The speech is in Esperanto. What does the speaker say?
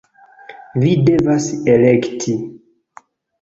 Vi devas elekti!